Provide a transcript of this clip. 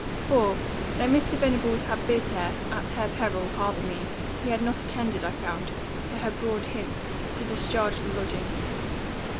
For, though Mr. Venables had bid her, at her peril, harbour me, he had not attended, I found, to her broad hints, to discharge the lodging.